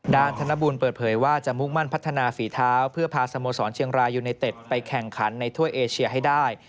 ธนบุญเปิดเผยว่าจะมุ่งมั่นพัฒนาฝีเท้าเพื่อพาสโมสรเชียงรายยูไนเต็ดไปแข่งขันในถ้วยเอเชียให้ได้